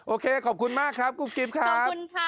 โอเคขอบคุณมากครับกุ๊บกิ๊บครับ